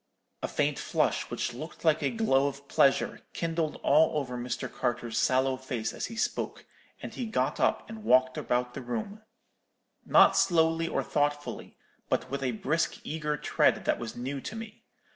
"A faint flush, which looked like a glow of pleasure, kindled all over Mr. Carter's sallow face as he spoke, and he got up and walked about the room; not slowly or thoughtfully, but with a brisk eager tread that was new to me.